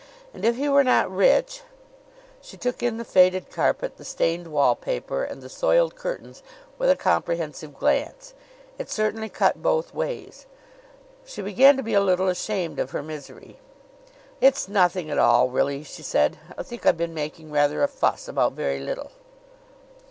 And if he were not rich She took in the faded carpet, the stained wall paper and the soiled curtains with a comprehensive glance. It certainly cut both ways. She began to be a little ashamed of her misery. "It's nothing at all; really," she said. "I think I've been making rather a fuss about very little."